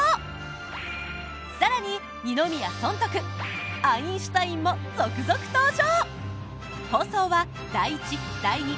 更に二宮尊徳アインシュタインも続々登場！